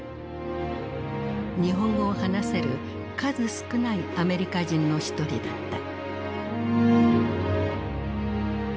日本語を話せる数少ないアメリカ人の一人だった。